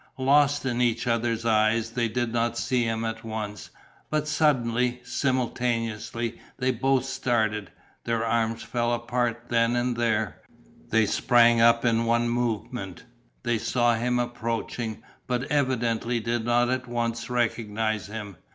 Lost in each other's eyes, they did not see him at once. But, suddenly, simultaneously, they both started; their arms fell apart then and there; they sprang up in one movement; they saw him approaching but evidently did not at once recognize him.